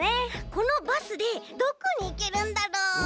このバスでどこにいけるんだろう？